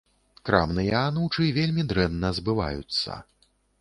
Крамныя анучы вельмі дрэнна збываюцца.